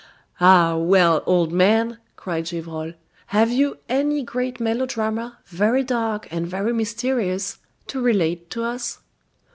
"Ah, well, old man!" cried Gevrol, "have you any great melodrama, very dark and very mysterious, to relate to us?"